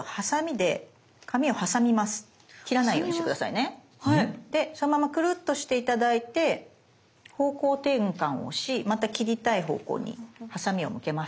でそのままくるっとして頂いて方向転換をしまた切りたい方向にハサミを向けます。